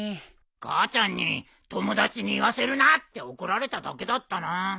母ちゃんに友達に言わせるなって怒られただけだったなー。